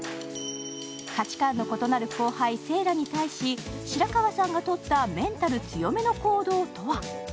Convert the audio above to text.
価値観の異なる後輩・星羅に対し白川さんが取ったメンタル強めの行動とは？